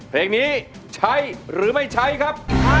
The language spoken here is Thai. เพลงนี้ใช้หรือไม่ใช้ครับ